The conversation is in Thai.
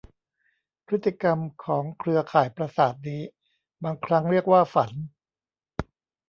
พฤติกรรมของเครือข่ายประสาทนี้บางครั้งเรียกว่าฝัน